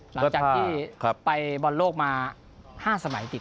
หลังจากที่ไปบอลโลกมา๕สมัยติด